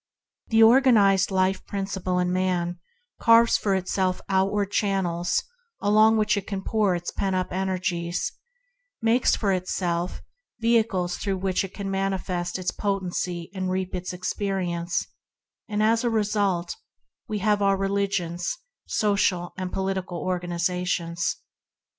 The organized life principle in man carves for itself outward channels along which it can pour its pent up energies, makes for itself vehicles through which it can manifest its potency and reap its experience, and 22 ENTERING THE KINGDOM as a result we have our religious, social, and political organizations.